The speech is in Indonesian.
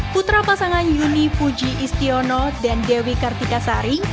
putra pasangan yuni fuji istiono dan dewi kartikasari